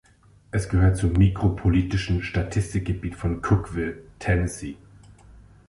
Es gehört zum mikropolitischen Statistikgebiet von Cookeville, Tennessee.